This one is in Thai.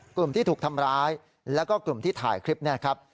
กลุ่มที่ถูกทำร้ายแล้วก็กลุ่มที่ถ่ายคลิปเนี่ยครับ